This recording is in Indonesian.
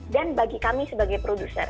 dan bagi kami sebagai produser